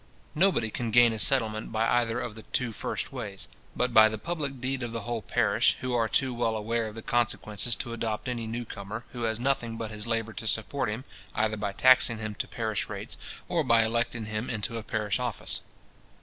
Nobody can gain a settlement by either of the two first ways, but by the public deed of the whole parish, who are too well aware of the consequences to adopt any new comer, who has nothing but his labour to support him, either by taxing him to parish rates, or by electing him into a parish office.